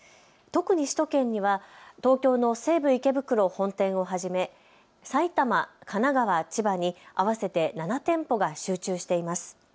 特に首都圏には東京の西武池袋本店をはじめ埼玉、神奈川、千葉に合わせて７店舗が集中しています。